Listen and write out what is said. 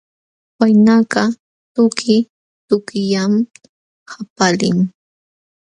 Waynakaq tuki tukillam qapalin.